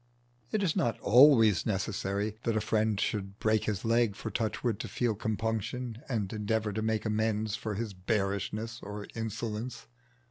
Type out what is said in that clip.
It is not always necessary that a friend should break his leg for Touchwood to feel compunction and endeavour to make amends for his bearishness or insolence.